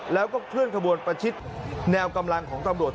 แล้วก็เคลื่อนขบวนประชิดแนวกำลังของตำรวจ